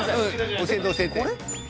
教えて教えてこれ？